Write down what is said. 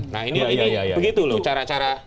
nah ini begitu loh cara cara